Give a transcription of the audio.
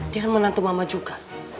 dia kan menantu mama juga